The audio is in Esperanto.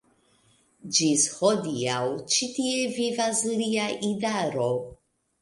Ĝis hodiaŭ ĉi tie vivas lia idaro.